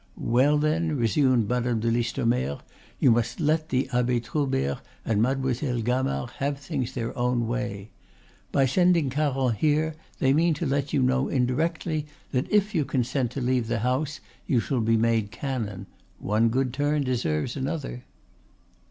"Well, then," resumed Madame de Listomere, "you must let the Abbe Troubert and Mademoiselle Gamard have things their own way. By sending Caron here they mean to let you know indirectly that if you consent to leave the house you shall be made canon, one good turn deserves another."